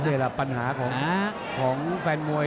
นี่แหละปัญหาของแฟนมวย